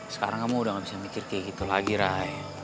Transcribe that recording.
sekarang kamu udah gak bisa mikir kayak gitu lagi rai